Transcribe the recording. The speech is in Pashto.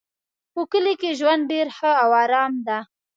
په کلي کې ژوند ډېر ښه او آرام ده